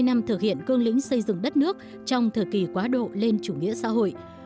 ba mươi năm thực hiện cương lĩnh xây dựng đất nước trong thời kỳ quá độ lên chủ nghĩa xã hội